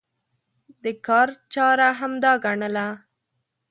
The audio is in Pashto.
د کار چاره همدا ګڼله.